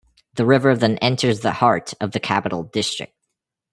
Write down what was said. The river then enters the heart of the Capital District.